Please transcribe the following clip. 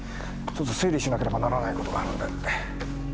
ちょっと整理しなければならない事があるんで失礼。